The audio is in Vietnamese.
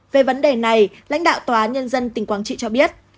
về vấn đề này lãnh đạo tòa án nhân dân tỉnh quảng trị cho biết